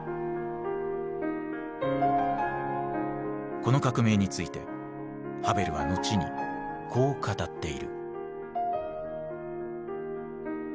この革命についてハヴェルは後にこう語っている。